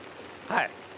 はい。